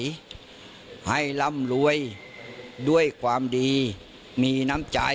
ให้ร่ำรวยด้วยความดีมีน้ำใจ